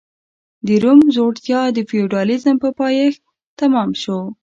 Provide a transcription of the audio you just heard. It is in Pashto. د روم ځوړتیا د فیوډالېزم په پایښت تمام شو